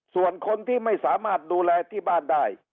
ส่วนคนที่ไม่สามารถดูแลที่บ้านได้